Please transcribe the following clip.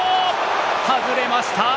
外れました。